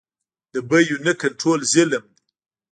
د بیو نه کنټرول ظلم دی.